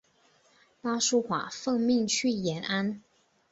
巴苏华奉命去延安。